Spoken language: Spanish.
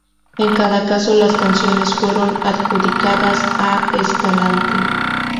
En cada caso las canciones fueron adjudicadas a Escalante.